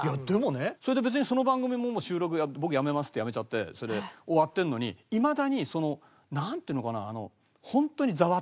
いやでもねそれで別にその番組ももう収録僕やめますってやめちゃってそれで終わってるのにいまだにそのなんていうのかな。